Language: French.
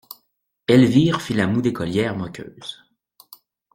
Elvire fit sa moue d'écolière moqueuse.